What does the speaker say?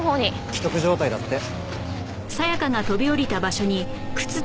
危篤状態だって。